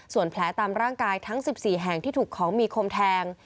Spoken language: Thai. ส่วนแผลตามร่างกายทั้ง๑๔แห่งที่ถูกของมีคมแทง